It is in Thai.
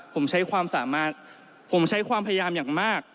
ผมใช้ความสามารถผมใช้ความพยายามอย่างมาก